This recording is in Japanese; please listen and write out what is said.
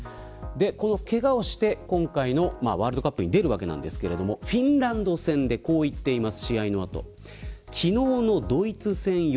このけがをして今回のワールドカップに出るわけですがフィンランド戦で試合の後こう言っています。